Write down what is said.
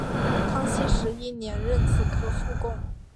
康熙十一年壬子科副贡。